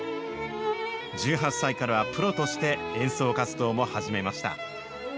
１８歳からはプロとして演奏活動も始めました。